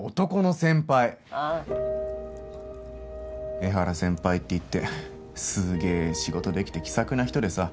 江原先輩っていってすげえ仕事できて気さくな人でさ。